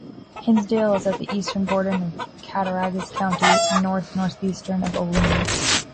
Hinsdale is at the eastern border of Cattaraugus County, north-northeast of Olean.